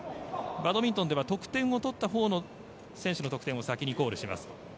バドミントンでは得点を取ったほうの選手の得点を先にコールします。